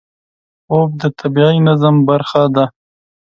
خوب د طبیعي نظم برخه ده